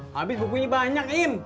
habis bukunya banyak im